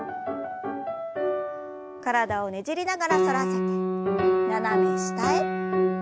体をねじりながら反らせて斜め下へ。